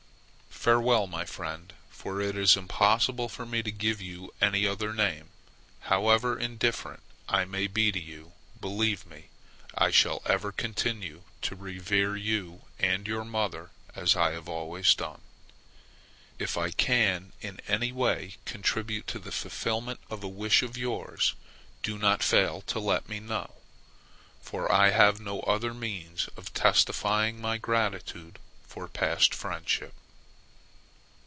Farewell, my friend; for it is impossible for me to give you any other name. However indifferent I may be to you, believe me, I shall ever continue to revere you and your mother as I have always done. If I can in any way contribute to the fulfilment of a wish of yours, do not fail to let me know, for I have no other means of testifying my gratitude for past friendship.